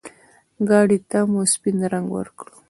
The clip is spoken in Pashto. ګاډي ته مو سپين رنګ ورکړ.